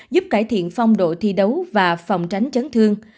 giúp cải thiện phong độ thi đấu và phòng tránh chấn thương